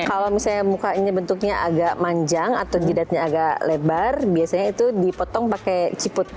kalau misalnya muka ini bentuknya agak manjang atau jidatnya agak lebar biasanya itu dipotong pakai ciput